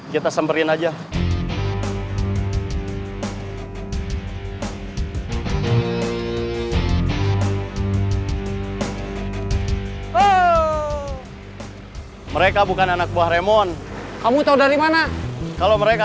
hai oh mereka bukan anak buah remon kamu tahu dari mana kalau mereka